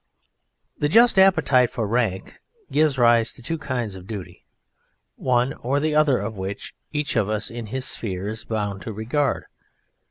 The just appetite for rank gives rise to two kinds of duty, one or the other of which each of us in his sphere is bound to regard.